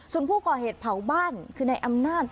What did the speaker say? ส่วนผู้ก่อเหตุเผาบ้านคือในอำนาจ